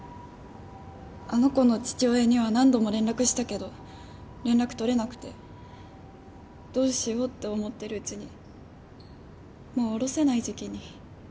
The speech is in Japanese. あの子の父親には何度も連絡したけど連絡取れなくてどうしようって思ってるうちにもうおろせない時期に。